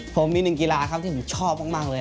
ผมมีหนึ่งกีฬาครับที่ผมชอบมากเลย